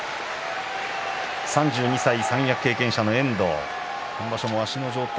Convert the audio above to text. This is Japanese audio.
３２歳三役経験者の遠藤今場所も足の状態